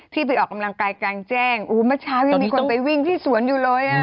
ไปออกกำลังกายกลางแจ้งเมื่อเช้ายังมีคนไปวิ่งที่สวนอยู่เลยอ่ะ